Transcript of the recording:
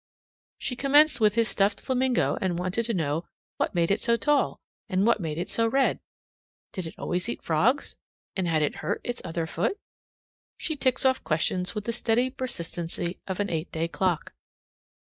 She commenced with his stuffed flamingo and wanted to know what made it so tall and what made it so red. Did it always eat frogs, and had it hurt its other foot? She ticks off questions with the steady persistency of an eight day clock.